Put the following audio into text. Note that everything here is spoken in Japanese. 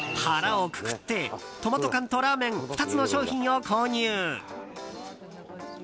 腹をくくってトマト缶とラーメン２つの商品を購入。